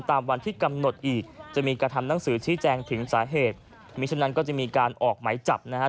ตามวันที่กำหนดอีกจะมีการทำหนังสือชี้แจงถึงสาเหตุมีฉะนั้นก็จะมีการออกไหมจับนะฮะ